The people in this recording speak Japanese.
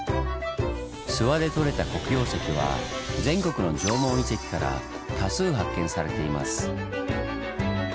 諏訪でとれた黒曜石は全国の縄文遺跡から多数発見されています。